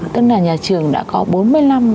tức là nhà trường đã có bốn mươi năm